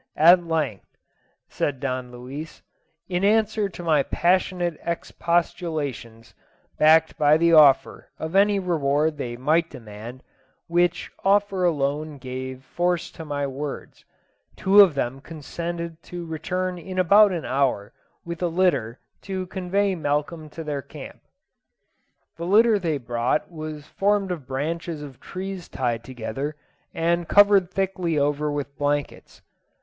At length," said Don Luis, "in answer to my passionate expostulations, backed by the offer of any reward they might demand which offer alone gave force to my words two of them consented to return in about an hour with a litter to convey Malcolm to their camp. "The litter they brought was formed of branches of trees tied together, and covered thickly over with blankets.